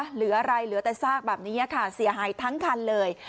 เหลืออะไรเหลือแต่ซากแบบนี้ค่ะเสียหายทั้งคันเลย